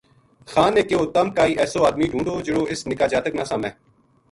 خان نے کہیو تَم کائی ایسو ادمی ڈُھونڈو جہڑو اس نِکا جاتک نا سامے